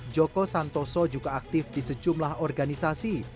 joko santoso juga aktif di sejumlah organisasi